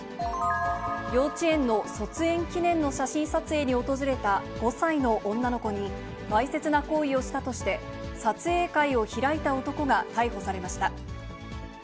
幼稚園の卒園記念の写真撮影に訪れた５歳の女の子にわいせつな行為をしたとして、撮影会を開いた男が逮捕されました。